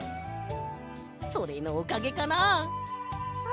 それのおかげかなあ？